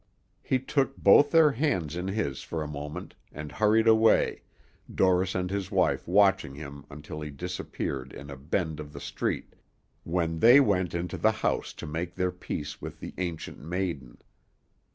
He took both their hands in his for a moment, and hurried away, Dorris and his wife watching him until he disappeared in a bend of the street, when they went into the house to make their peace with the Ancient Maiden.